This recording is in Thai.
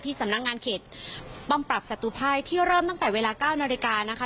สำนักงานเขตป้อมปรับศัตรูภายที่เริ่มตั้งแต่เวลา๙นาฬิกานะคะ